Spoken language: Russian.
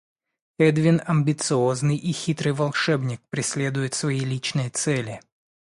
Эдвин, амбициозный и хитрый волшебник, преследует свои личные цели.